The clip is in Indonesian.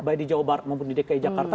baik di jawa barat maupun di dki jakarta